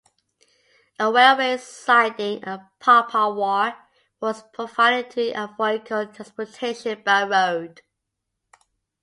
A railway siding at Piparwar was provided to avoid coal transportation by road.